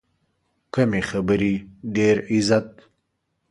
کمې خبرې، ډېر عزت.